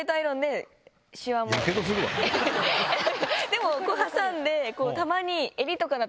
でも挟んで。